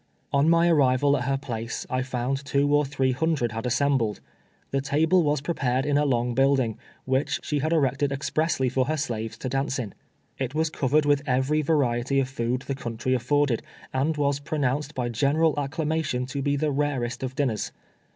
On my arrival at her place, I found two or three hundred had assembled. The table was prepared in a long building, which she had erected expressly for her slaves to dance in. It was covered with every variety of food the country afforded, and was pro nounced by general acclamation to be the rarest of dinners.